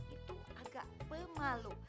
itu agak pemalu